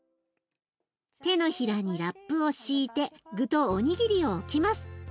手のひらにラップを敷いて具とおにぎりを置きます。